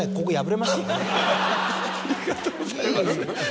ありがとうございます。